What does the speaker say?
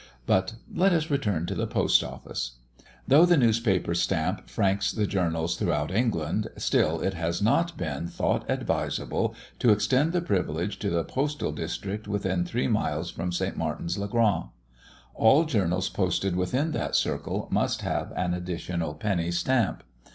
But let us return to the Post office. Though the newspaper stamp franks the journals throughout England, still it has not been thought advisable to extend the privilege to the postal district within three miles from St. Martin's le Grand. All journals posted within that circle must have an additional penny stamp.